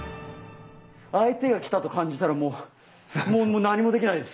相手が来たと感じたらもうもう何もできないです。